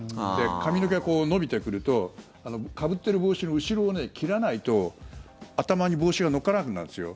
髪の毛がこう伸びてくるとかぶってる帽子の後ろを切らないと頭に帽子が乗っからなくなるんですよ。